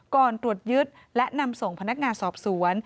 ตรวจยึดและนำส่งพนักงานสอบสวน